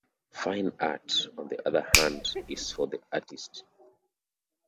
Fine art, on the other hand, is for the artist.